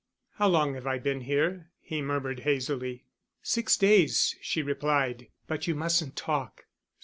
"How long have I been here?" he murmured hazily. "Six days," she replied; "but you mustn't talk."